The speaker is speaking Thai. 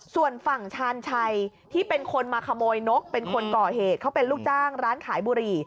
ส่วนฝั่งชาญชัยที่เป็นคนมาขโมยนกเป็นคนก่อเหตุเขาเป็นลูกจ้างร้านขายบุหรี่